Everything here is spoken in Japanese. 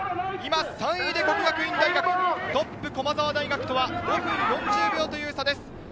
今３位で國學院大學、トップの駒澤大学とは５分４０秒という差です。